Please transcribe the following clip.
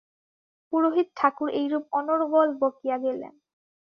পুরোহিত ঠাকুর এইরূপ অনর্গল বকিয়া গেলেন।